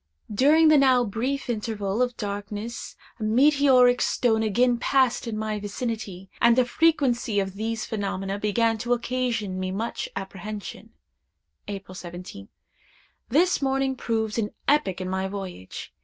During the now brief interval of darkness a meteoric stone again passed in my vicinity, and the frequency of these phenomena began to occasion me much apprehension. "April 17th. This morning proved an epoch in my voyage.